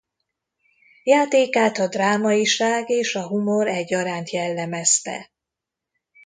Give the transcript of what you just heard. Játékát a drámaiság és a humor egyaránt jellemezte.